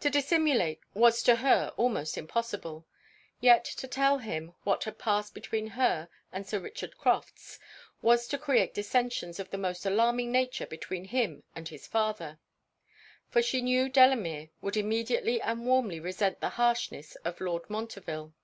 To dissimulate was to her almost impossible; yet to tell him what had passed between her and Sir Richard Crofts was to create dissentions of the most alarming nature between him and his father; for she knew Delamere would immediately and warmly resent the harshness of Lord Montreville.